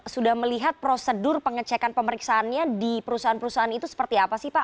sudah melihat prosedur pengecekan pemeriksaannya di perusahaan perusahaan itu seperti apa sih pak